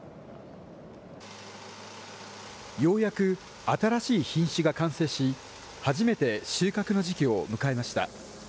ようやく新しい品種が完成し、初めて収穫の時期を迎えました。